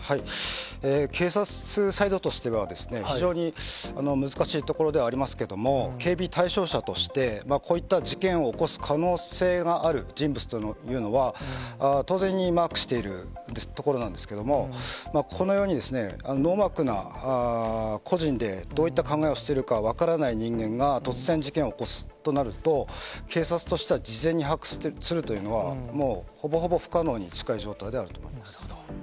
警察サイドとしてはですね、非常に難しいところではありますけども、警備対象者として、こういった事件を起こす可能性がある人物というのは、当然にマークしているところなんですけれども、このように、ノーマークな個人で、どういった考えをしているか分からない人間が、突然、事件を起こすとなると、警察としては、事前に把握するというのは、もう、ほぼほぼ不可能に近い状態ではあると思います。